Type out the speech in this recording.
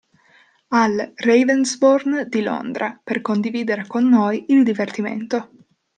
Al Ravensbourne di Londra, per condividere con noi il divertimento!